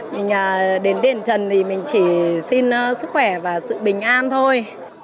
mình đến đền trần thì mình chỉ xin sức khỏe và sự bình an thôi